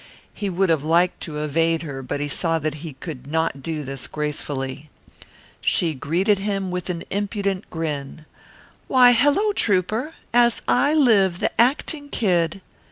He would have liked to evade her but saw that he could not do this gracefully. She greeted him with an impudent grin. "Why, hello, trouper! As I live, the actin' Kid!"